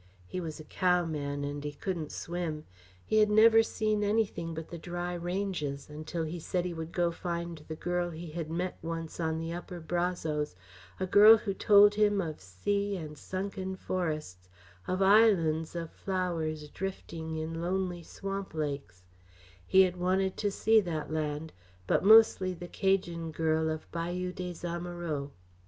He was a cowman and he couldn't swim; he had never seen anything but the dry ranges until he said he would go find the girl he had met once on the upper Brazos a girl who told him of sea and sunken forests, of islands of flowers drifting in lonely swamp lakes he had wanted to see that land, but mostly the Cajan girl of Bayou Des Amoureaux.